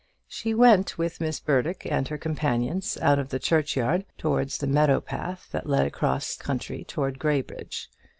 She went with Miss Burdock and her companions out of the churchyard, towards the meadow path that led across country towards Graybridge.